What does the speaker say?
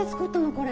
これ。